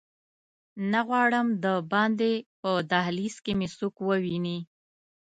نه غواړم دباندې په دهلېز کې مې څوک وویني.